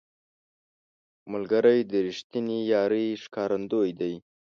ملګری د رښتینې یارۍ ښکارندوی دی